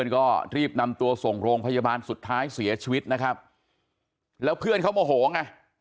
ก็รีบนำตัวส่งโรงพยาบาลสุดท้ายเสียชีวิตนะครับแล้วเพื่อนเขาโมโหไง